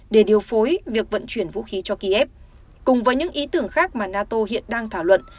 để điều phối việc vận chuyển vũ khí cho kiev cùng với những ý tưởng khác mà nato hiện đang thảo luận